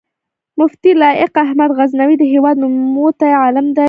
مفتي لائق احمد غزنوي د هېواد نوموتی عالم دی